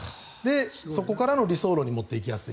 そこからの理想路に持っていきやすい。